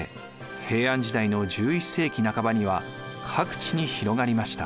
平安時代の１１世紀半ばには各地に広がりました。